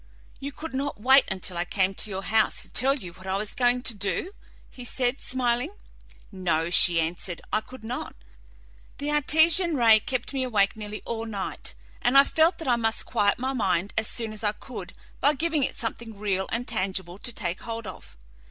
"You could not wait until I came to your house to tell you what I was going to do?" he said, smiling. "No," she answered, "I could not. The Artesian ray kept me awake nearly all night, and I felt that I must quiet my mind as soon as I could by giving it something real and tangible to take hold of.